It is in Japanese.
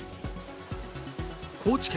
高知県